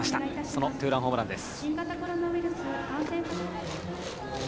そのツーランホームランです。